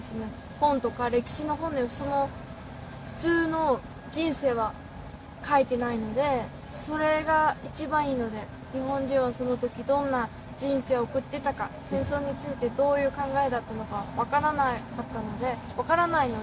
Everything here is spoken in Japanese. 本とか歴史の本でその普通の人生は書いてないのでそれが一番いいので日本人はその時どんな人生を送ってたか戦争についてどういう考えだったのか分からないので私